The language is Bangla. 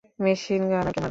মেশিন গানারকে মারো!